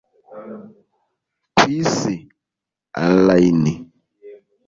kwisi, allayne.